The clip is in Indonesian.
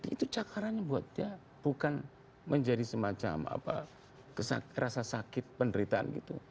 itu cakarannya buat dia bukan menjadi semacam rasa sakit penderitaan gitu